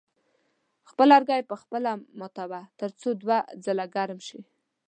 خپل لرګي په خپله ماتوه تر څو دوه ځله ګرم شي.